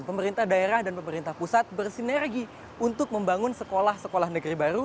pemerintah daerah dan pemerintah pusat bersinergi untuk membangun sekolah sekolah negeri baru